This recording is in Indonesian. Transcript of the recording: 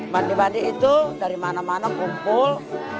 mandi mandi itu dari mana mana kumpul